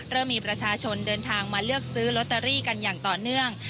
เริ่มมีประชาชนเดินทางมาเลือกซื้อลอตเตอรี่กันอย่างต่อเนื่อง